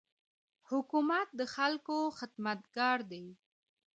حکومت د خلکو خدمتګار دی.